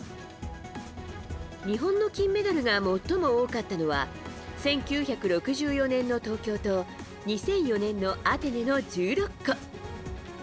日本の金メダルが最も多かったのは１９６４年の東京と２００４年のアテネの１６個。